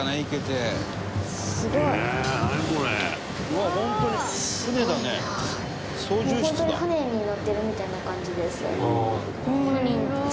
もう本当に船に乗ってるみたいな感じですよね。